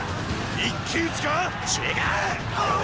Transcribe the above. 一騎討ちか⁉違う！